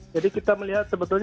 jadi kita melihat sebagiannya